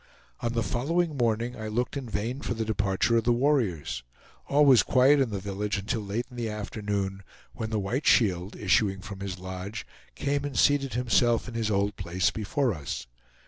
On the following morning I looked in vain for the departure of the warriors. All was quiet in the village until late in the forenoon, when the White Shield, issuing from his lodge, came and seated himself in his old place before us.